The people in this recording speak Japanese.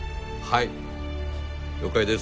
はい！